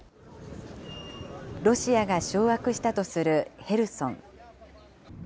ロシアが掌握したとするヘルソン。